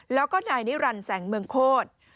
แล้วก็นายนิรันดิ์แสงเมืองโคตร